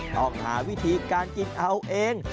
ต้องหาวิธีการกินเอาเอง